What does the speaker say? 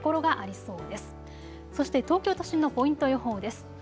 そして東京都心のポイント予報です。